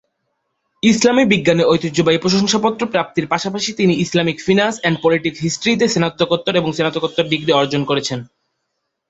ইসলামী বিজ্ঞানে ঐতিহ্যবাহী প্রশংসাপত্র প্রাপ্তির পাশাপাশি তিনি ইসলামিক ফিনান্স অ্যান্ড পলিটিকাল হিস্ট্রি-তে স্নাতকোত্তর এবং স্নাতকোত্তর ডিগ্রি অর্জন করেছেন।